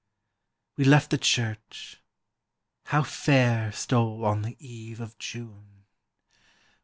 We left the church: how fair Stole on the eve of June